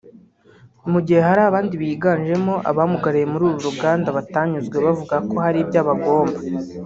mu gihe hari abandi biganjemo abamugariye muri uru ruganda batanyuzwe bavuga ko hari ibyo abagomba